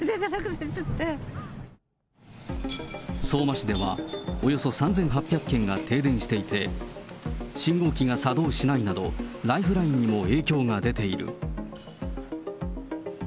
相馬市ではおよそ３８００軒が停電していて、信号機が作動しないなど、ライフラインにも影響が出ている。